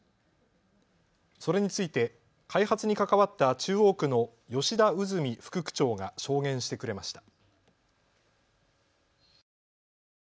それについて開発に関わった中央区の吉田不雲副区長が証言してくれました。